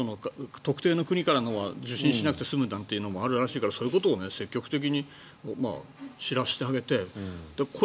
特定の国からの受信しなくていいみたいのもあるらしいからそういうことを積極的に知らせてあげて。